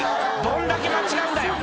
どんだけ間違うんだよ